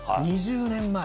２０年前？